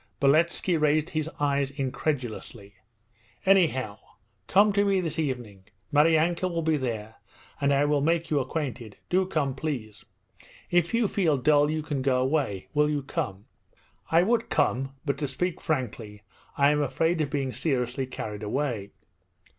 Beletski raised his eyebrows incredulously. 'Anyhow, come to me this evening; Maryanka will be there and I will make you acquainted. Do come, please! If you feel dull you can go away. Will you come?' 'I would come, but to speak frankly I am afraid of being' seriously carried away.'